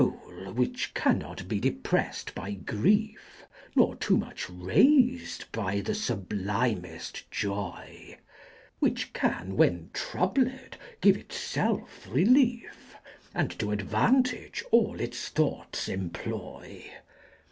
Sool, which carftiot be deprefs*d by Gritf, Nor toQ much rais'd by tjie fublimeft Joy 5, Which can, when troubled, give it felf Relief, And to Advan^ge all its Thoughts eiqploy.